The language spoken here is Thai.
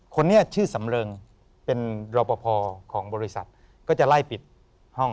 คนนี้ชื่อสำเริงเป็นรอปภของบริษัทก็จะไล่ปิดห้อง